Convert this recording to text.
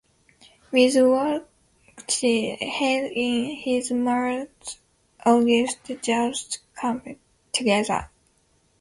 With Wallace's head in his mouth, Augustus' jaws clamped together.